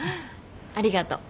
ありがとう。